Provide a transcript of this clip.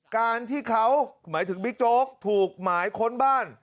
การที่เขาหมายถึงบิ๊กโจ๊กถูกหมายค้นบ้าน